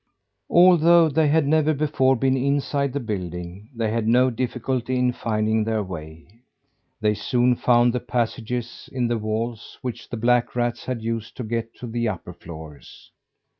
Although they had never before been inside the building, they had no difficulty in finding their way. They soon found the passages in the walls which the black rats had used to get to the upper floors.